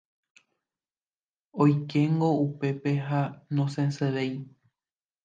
Oikéngo upépe ha nosẽvéi.